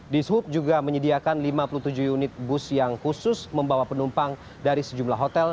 dishub juga menyediakan lima puluh tujuh unit bus yang khusus membawa penumpang dari sejumlah hotel